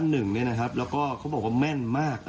หนุ่มอ่ะครับแล้วก็เขาบอกว่าแม่นมาก